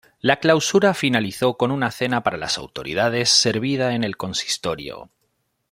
La clausura finalizó con una cena para las autoridades servida en el Consistorio.